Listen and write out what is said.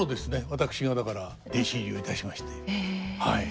私がだから弟子入りをいたしましてはい。